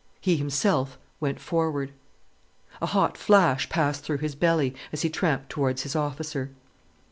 He himself went forward. A hot flash passed through his belly, as he tramped towards his officer.